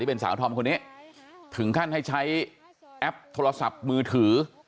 เป็นสาวธอมคนนี้ถึงขั้นให้ใช้แอปโทรศัพท์มือถือ